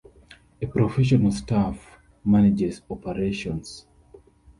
A professional staff manages operations.